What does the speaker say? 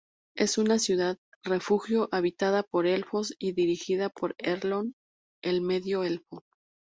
Es una ciudad-refugio habitada por Elfos y dirigida por Elrond, el Medio Elfo.